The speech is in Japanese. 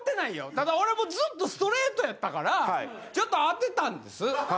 ただ俺もうずっとストレートやったからちょっとあてたんです。